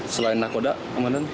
selain nakoda mn